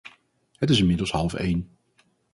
Het is inmiddels half één.